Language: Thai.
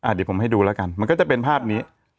เดี๋ยวผมให้ดูแล้วกันมันก็จะเป็นภาพนี้